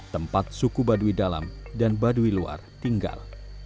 tempat suku baduy dalam dan baduy luar tinggal